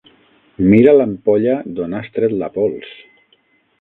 Mira l'ampolla d'on has tret la pols.